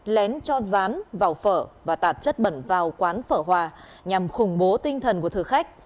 lén cho rán vào phở và tạt chất bẩn vào quán phở hòa nhằm khủng bố tinh thần của thực khách